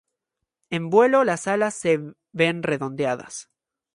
En vuelo las alas se ven redondeadas.